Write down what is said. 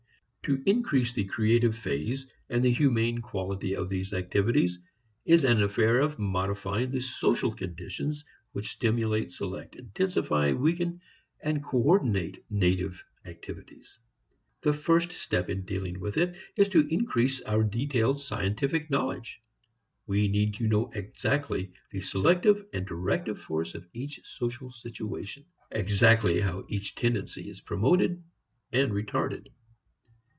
To increase the creative phase and the humane quality of these activities is an affair of modifying the social conditions which stimulate, select, intensify, weaken and coordinate native activities. The first step in dealing with it is to increase our detailed scientific knowledge. We need to know exactly the selective and directive force of each social situation; exactly how each tendency is promoted and retarded.